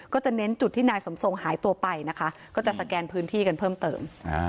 จะเน้นจุดที่นายสมทรงหายตัวไปนะคะก็จะสแกนพื้นที่กันเพิ่มเติม